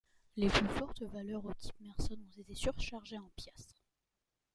Les plus fortes valeurs au type Merson ont été surchargées en piastres.